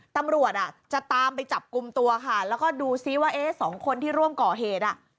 ตำรวจจะตามไปจับกลุ่มตัวค่ะแล้วก็ดูซิว่าเอ๊ะสองคนที่ร่วมก่อเหตุอ่ะ